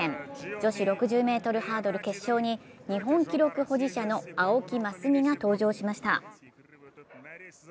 女子６０ｍハードル決勝に日本記録保持者の青木益未が登場しました。